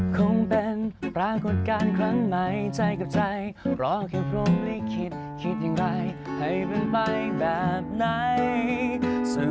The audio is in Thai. คงเป็นปรากฏการณ์ครั้งใหม่ใจกับใจรอแค่พรมลิขิตคิดอย่างไรให้เป็นไปแบบไหน